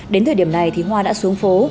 đến thời điểm này thì hoa đã xuống phố